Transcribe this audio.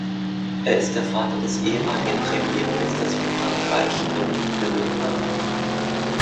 Er ist der Vater des ehemaligen Premierministers von Frankreich, Dominique de Villepin.